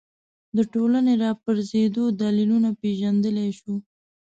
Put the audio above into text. د ټولنې راپرځېدو دلیلونه پېژندلی شو